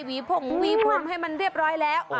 ผงวีพรมให้มันเรียบร้อยแล้ว